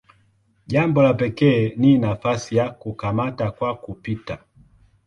Jambo la pekee ni nafasi ya "kukamata kwa kupita".